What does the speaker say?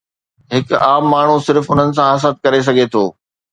هڪ عام ماڻهو صرف انهن سان حسد ڪري سگهي ٿو.